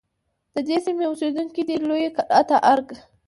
د دې سیمې اوسیدونکي دی لویې کلا ته ارگ